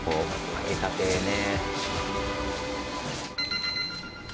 揚げたてね。